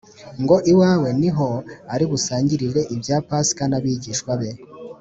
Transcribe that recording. ngo iwawe ni ho ari busangirire ibya Pasika n’abigishwa be.’